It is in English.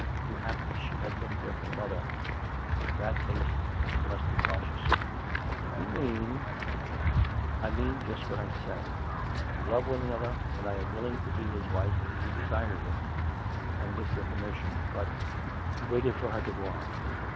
Perhaps she had been with her mother. In that case he must be cautious. ..." You mean "" I mean just what I say. We love one another, and I am willing to be his wife if he desires it — and with your permission. But " He waited for her to go on.